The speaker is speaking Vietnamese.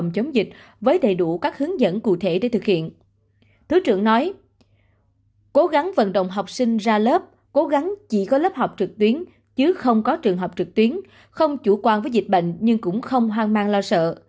cố gắng nói cố gắng vận động học sinh ra lớp cố gắng chỉ có lớp học trực tuyến chứ không có trường học trực tuyến không chủ quan với dịch bệnh nhưng cũng không hoang mang lo sợ